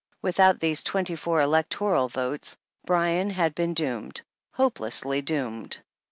Without these twenty four electoral votes, Bryan had been doomed, hopelessly doomed.